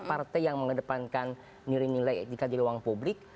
partai yang mengedepankan nilai nilai di kandiluang publik